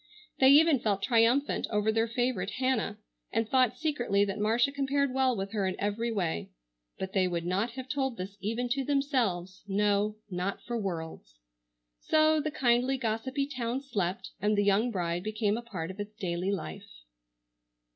They even felt triumphant over their favorite Hannah, and thought secretly that Marcia compared well with her in every way, but they would not have told this even to themselves, no, not for worlds. So the kindly gossipy town slept, and the young bride became a part of its daily life.